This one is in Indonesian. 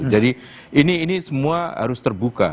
jadi ini semua harus terbuka